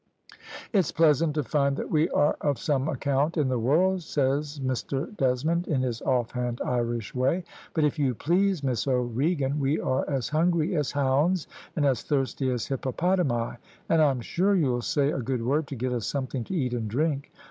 "`It's pleasant to find that we are of some account in the world,' says Mr Desmond, in his offhand Irish way; `but if you please, Miss O'Regan, we are as hungry as hounds, and as thirsty as hippopotami, and I'm sure you'll say a good word to get us something to eat and drink.'